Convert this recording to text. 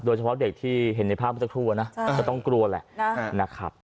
โดยเฉพาะเด็กที่เห็นในภาพเมื่อสักครู่นะก็ต้องกลัวแหละนะครับ